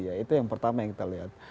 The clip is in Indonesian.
ya itu yang pertama yang kita lihat